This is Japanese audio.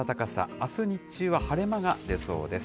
あす日中は晴れ間が出そうです。